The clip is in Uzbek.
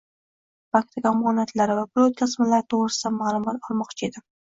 Bankdagi omonatlari va pul o‘tkazmalari to‘g‘risida ma’lumot olmoqchi edim.